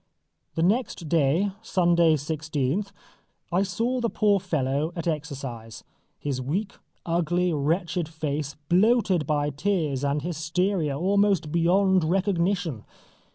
The next day, Sunday 16th, I saw the poor fellow at exercise, his weak, ugly, wretched face bloated by tears and hysteria almost beyond recognition.